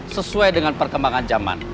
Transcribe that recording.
sesuai dengan perkembangan zaman